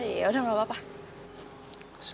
sebenarnya ada yang mau gue omongin sama lo